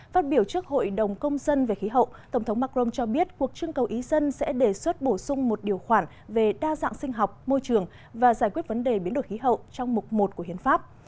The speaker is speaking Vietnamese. phát biểu trước hội đồng công dân về khí hậu tổng thống macron cho biết cuộc trưng cầu ý dân sẽ đề xuất bổ sung một điều khoản về đa dạng sinh học môi trường và giải quyết vấn đề biến đổi khí hậu trong mục một của hiến pháp